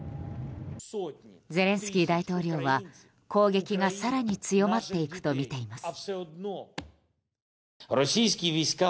ゼレンスキー大統領は攻撃が更に強まっていくとみています。